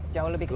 jauh lebih kecil